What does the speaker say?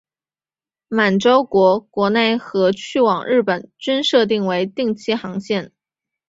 满洲国国内和去往日本均设为定期航线。